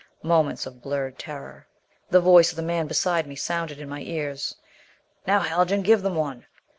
Moments of blurred terror.... The voice of the man beside me sounded in my ears: "Now, Haljan, give them one!"